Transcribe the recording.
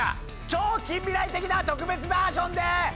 超近未来的な特別バージョンで遊べる！